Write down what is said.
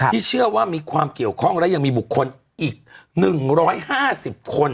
เชื่อว่ามีความเกี่ยวข้องและยังมีบุคคลอีก๑๕๐คน